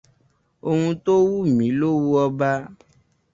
Oún tó wù mí ló wu ọba.